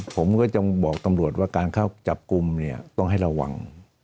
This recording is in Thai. ผมก็จะบอกตำรวจว่าการเข้าจับกลุ่มเนี่ยต้องให้ระวัง